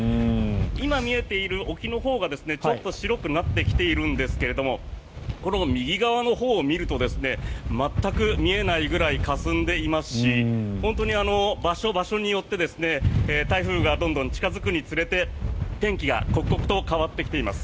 今、見えている沖のほうがちょっと白くなってきているんですが右側のほうを見ると全く見えないぐらいかすんでいますし本当に場所場所によって台風がどんどん近付くにつれて天気が刻々と変わってきています。